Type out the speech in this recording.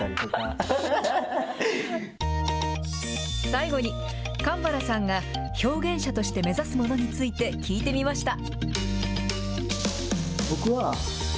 最後に、かんばらさんが表現者として目指すものについて聞いてみました。